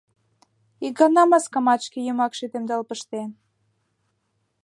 Икана маскамат шке йымакше темдал пыштен.